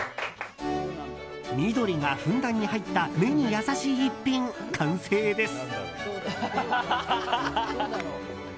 緑がふんだんに入った目に優しい逸品、完成です。